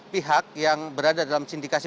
pihak yang berada dalam sindikasi